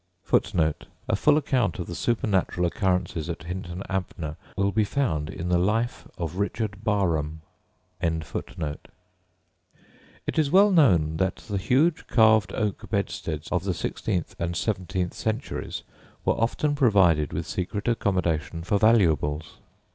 [Footnote 1: A full account of the supernatural occurrences at Hinton Ampner will be found in the Life of Richard Barham.] It is well known that the huge, carved oak bedsteads of the sixteenth and seventeenth centuries were often provided with secret accommodation for valuables.